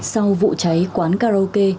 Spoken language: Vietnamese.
sau vụ cháy quán karaoke